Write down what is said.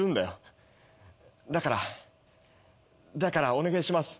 だからだからお願いします。